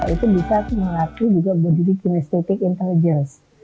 itu bisa melatih juga budi kinestetik intelijens